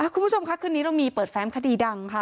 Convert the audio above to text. คุณผู้ชมค่ะคืนนี้เรามีเปิดแฟ้มคดีดังค่ะ